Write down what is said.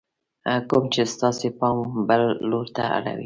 کوم چې ستاسې پام بل لور ته اړوي :